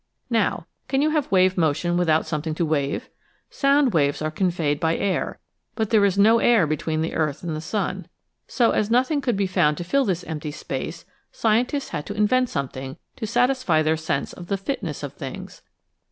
Now, can you have wave motion without something to wave? Sound waves are conveyed by air but there is no air between the earth and the sun. So as nothing could be found to fill this empty space scientists had to invent something to satisfy their sense of the fitness of things.